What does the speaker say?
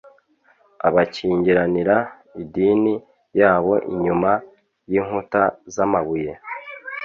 Abakingiranira idini yabo inyuma y'inkuta z'amabuye,